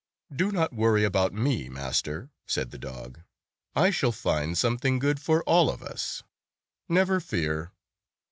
"Do not worry about me, master," said the dog; " I shall find something good for all of us. Never fear."